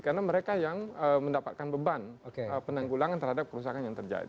karena mereka yang mendapatkan beban penanggulangan terhadap kerusakan yang terjadi